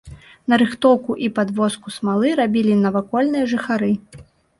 Нарыхтоўку і падвозку смалы рабілі навакольныя жыхары.